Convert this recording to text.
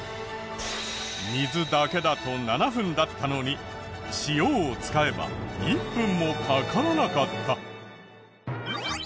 水だけだと７分だったのに塩を使えば１分もかからなかった。